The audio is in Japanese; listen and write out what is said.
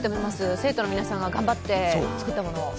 生徒の皆さんが頑張って作ったもの。